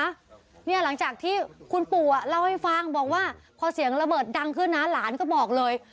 เนี่ยหลังจากที่คุณปู่อ่ะเล่าให้ฟังบอกว่าพอเสียงระเบิดดังขึ้นนะหลานก็บอกเลย